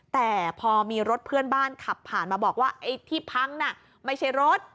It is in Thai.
แต่พอมีรถเพื่อนบ้านขับผ่านมาบอกว่าไอ้ที่พังน่ะไม่ใช่รถ